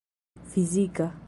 fizika